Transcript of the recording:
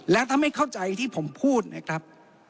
และถ้าไม่เข้าใจที่ผมพูดนะครับ